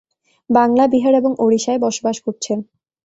বাংলা, বিহার এবং ওড়িশায় বসবাস করছেন।